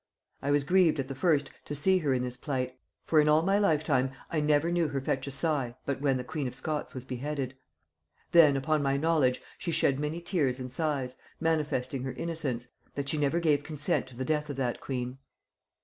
I was grieved at the first to see her in this plight; for in all my lifetime I never knew her fetch a sigh, but when the queen of Scots was beheaded. Then, upon my knowledge, she shed many tears and sighs, manifesting her innocence, that she never gave consent to the death of that queen.